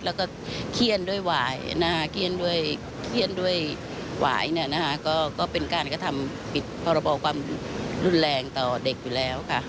แล้วก็เครียดด้วยหวายเป็นการกระทำผิดพบความรุนแรงต่อเด็กอยู่แล้ว